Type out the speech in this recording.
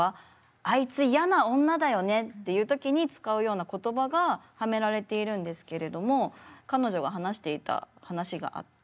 あいつ嫌な女だよねっていう時に使うような言葉がはめられているんですけれども彼女が話していた話があって。